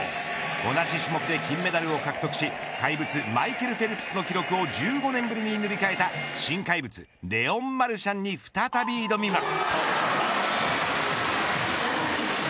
同じ種目で金メダルを獲得し怪物マイケル・フェルプスの記録を１５年ぶりに塗り替えた新怪物レオン・マルシャンに再び挑みます。